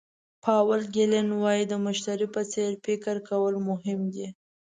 پاول ګیلن وایي د مشتري په څېر فکر کول مهم دي.